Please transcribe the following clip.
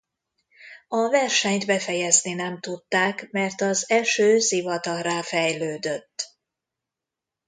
A versenyt befejezni nem tudták mert az eső zivatarrá fejlődött.